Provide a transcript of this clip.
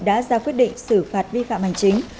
đã ra quyết định xử phạt vi phạm hành chính